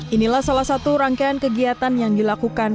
inilah salah satu rangkaian kegiatan yang dilakukan